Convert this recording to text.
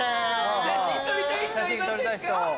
写真撮りたい人いませんか？